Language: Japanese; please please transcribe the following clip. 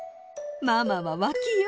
ママはわきよ。